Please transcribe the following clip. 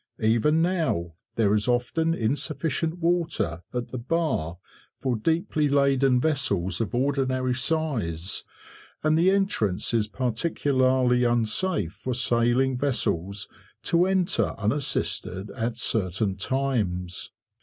Even now there is often insufficient water at the bar for deeply laden vessels of ordinary size, and the entrance is particularly unsafe for sailing vessels to enter unassisted at certain times.